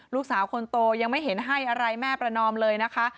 ลูกสาวคนโตยังไม่เห็นให้อะไรแม่ประนอมเลยนะคะ